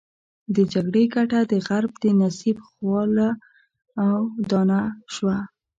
د جګړې ګټه د غرب د نصیب خوله او دانه شوه.